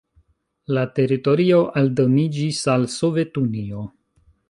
La teritorio aldoniĝis al Sovetunio.